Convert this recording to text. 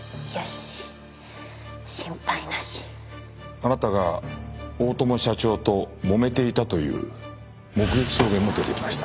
あなたが大友社長ともめていたという目撃証言も出てきました。